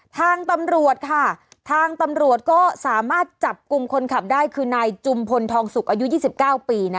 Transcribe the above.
ทางตำรวจค่ะทางตำรวจก็สามารถจับกลุ่มคนขับได้คือนายจุมพลทองสุกอายุ๒๙ปีนะ